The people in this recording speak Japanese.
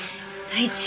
第一